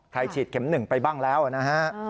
ฉีดเข็ม๑ไปบ้างแล้วนะฮะ